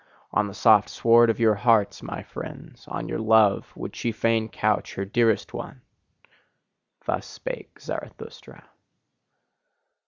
On the soft sward of your hearts, my friends! on your love, would she fain couch her dearest one! Thus spake Zarathustra.